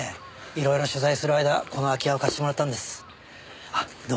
色々取材する間この空き家を貸してもらったんです。